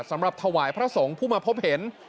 สำหรับถวายพระสงฆ์ผู้มาพบเห็น